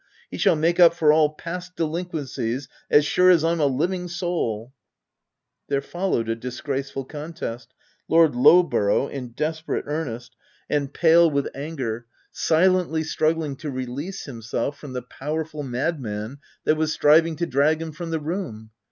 He shall make up for all past de linquencies as sure as I'm a living soul !" There followed a disgraceful contest ; Lord Lowborough, in desperate earnest, and pale 234 THE TENANT with anger, silently struggling to release him self from the powerful madman that was striv ing to drag him from the room.